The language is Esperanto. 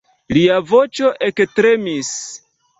Lia voĉo ektremis.